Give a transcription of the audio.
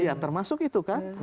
ya termasuk itu kan